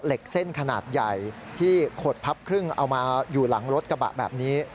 เหล็กเส้นขนาดใหญ่ที่ขดพับครึ่งเอามาอยู่หลังรถกระบะแบบนี้